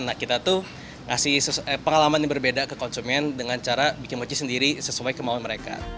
nah kita tuh ngasih pengalaman yang berbeda ke konsumen dengan cara bikin mochi sendiri sesuai kemauan mereka